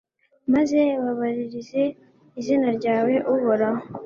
maze babaririze izina ryawe, uhoraho